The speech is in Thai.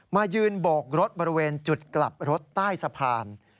มายืนโบกรถบริเวณจุดกลับรถใต้สะพาน